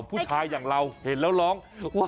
ผู้ชายอย่างเราเห็นแล้วร้อง